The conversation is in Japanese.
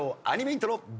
アニメイントロ。